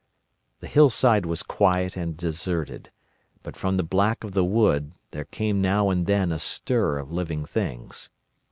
The hillside was quiet and deserted, but from the black of the wood there came now and then a stir of living things.